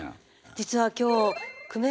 実は今日え！